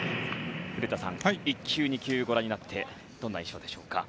古田さん、１球、２球をご覧になってどんな印象でしょうか。